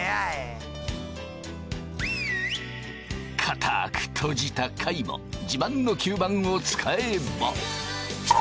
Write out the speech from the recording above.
かたく閉じた貝も自慢の吸盤を使えば。